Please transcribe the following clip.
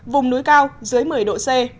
vùng núi cao dưới một mươi độ